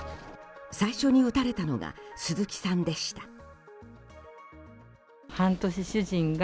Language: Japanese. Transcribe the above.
最初に撃たれたのが鈴木さんでした。